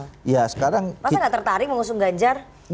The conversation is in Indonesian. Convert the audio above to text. rasa gak tertarik mengusung ganjar